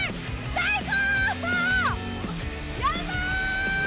最高！